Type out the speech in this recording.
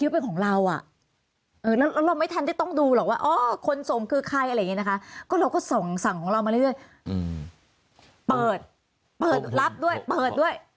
เปิดรับด้วยเปิดด้วย